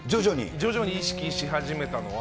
徐々に意識し始めたのは。